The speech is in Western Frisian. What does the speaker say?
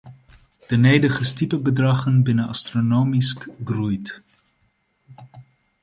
De nedige stipebedraggen binne astronomysk groeid.